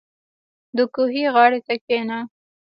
• د کوهي غاړې ته کښېنه.